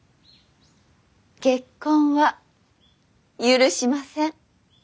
結婚は許しません。